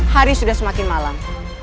hari sudah semakin malam